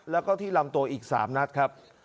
แล้วก็ที่ลำตัวอีก๓นัดครับ